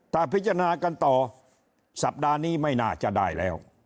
ถ้าพิจารณากันต่อสัปดาห์นี้ไม่น่าจะได้แล้ว